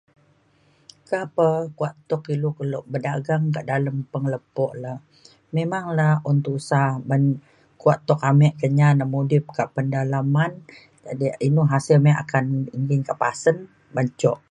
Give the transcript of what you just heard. Meka pe kuak tuk ilu kelo pedagang kak dalem pengelepo le memang la un tusa uban kuak tuk ame Kenyah nemudip kak pedalaman jadek inu hasil me akan nggin kak pasen ban jok